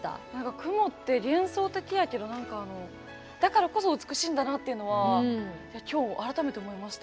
雲って幻想的やけどなんか、だからこそ美しいんだなというのは今日、改めて思いました。